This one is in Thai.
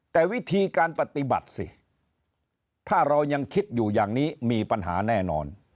แต่วิธีการปฏิบัติสิถ้าเรายังคิดอยู่อย่างนี้มีปัญหาแน่นอน